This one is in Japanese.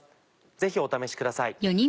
ぜひお試しください。